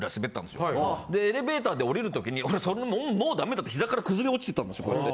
でエレベーターで下りる時に俺もうダメだって膝から崩れ落ちてたんですこうやって。